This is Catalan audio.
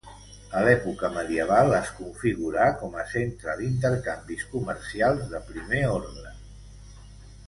A l'època medieval es configurà com a centre d'intercanvis comercials de primer ordre.